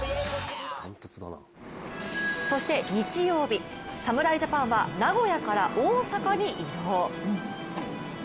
そして日曜日、侍ジャパンは名古屋から大阪に移動。